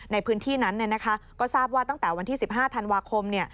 ในพื้นที่นั้นก็ทราบว่าตั้งแต่วันที่๑๕ธันวาคม